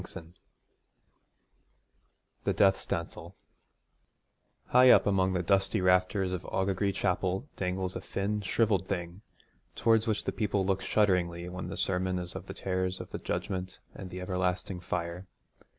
X THE DEATH SPANCEL High up among the dusty rafters of Aughagree Chapel dangles a thin shrivelled thing, towards which the people look shudderingly when the sermon is of the terrors of the Judgment and the everlasting fire.